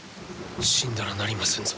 死んだらなりませんぞ。